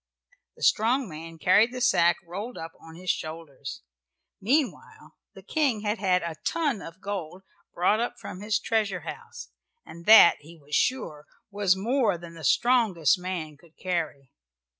The strong man carried the sack, rolled up, on his shoulders. Meanwhile the King had had a ton of gold brought up from his treasure house, and that, he was sure, was more than the strongest man could carry.